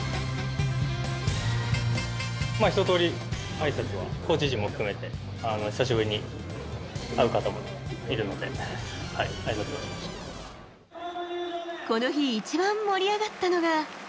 一とおり、あいさつは、コーチ陣も含めて、久しぶりに会う方もいるので、この日一番盛り上がったのが。